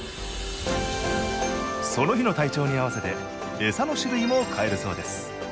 その日の体調に合わせて餌の種類も変えるそうです。